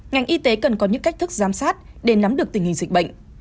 ngành y tế cần có những cách thức giám sát để nắm được tình hình dịch bệnh